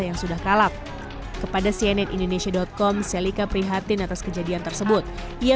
yang sudah kalap kepada cnn indonesia com selika prihatin atas kejadian tersebut ia